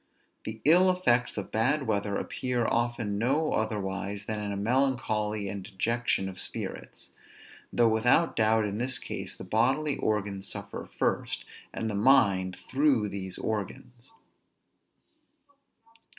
The ill effects of bad weather appear often no otherwise than in a melancholy and dejection of spirits; though without doubt, in this case, the bodily organs suffer first, and the mind through these organs.